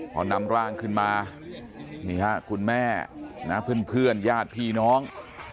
พอนำร่างขึ้นมานี่ฮะคุณแม่นะเพื่อนญาติพี่น้อง